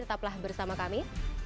tetaplah bersama kami